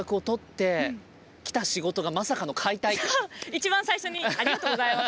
一番最初にありがとうございます。